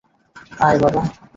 আয়, বাবা।